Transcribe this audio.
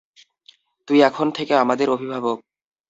তুই এখন থেকে আমাদের অভিবাবক।